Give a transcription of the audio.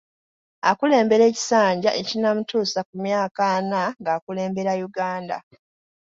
Akulembere ekisanja ekinaamutuusa ku myaka ana ng'akulembera Uganda.